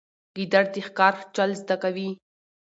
ګیدړ د ښکار چل زده کوي.